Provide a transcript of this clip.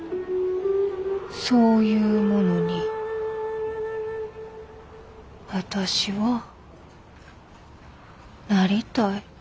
そういうものに私はなりたい。